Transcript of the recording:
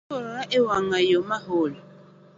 Aseluorora ewang’ayo maol